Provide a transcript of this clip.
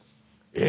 え！